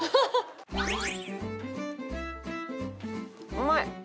うまい！